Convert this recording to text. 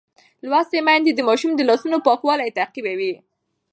لوستې میندې د ماشوم د لاسونو پاکوالی تعقیبوي.